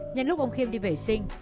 nhân lúc ông khiêm đi vệ sinh